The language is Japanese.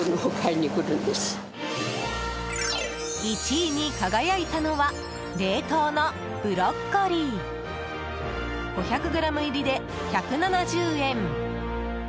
１位に輝いたのは冷凍のブロッコリー５００ｇ入りで１７０円。